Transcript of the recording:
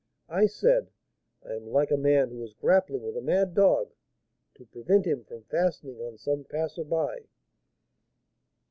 I said, 'I am like a man who is grappling with a mad dog, to prevent him from fastening on some passer by.'